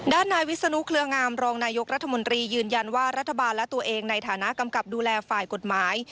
นายวิศนุเครืองามรองนายกรัฐมนตรียืนยันว่ารัฐบาลและตัวเองในฐานะกำกับดูแลฝ่ายกฎหมาย